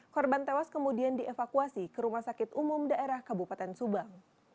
korban tewas kemudian dievakuasi ke rumah sakit umum daerah kabupaten subang